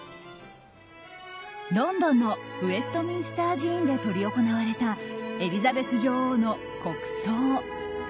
ロンドンのウェストミンスター寺院で執り行われたエリザベス女王の国葬。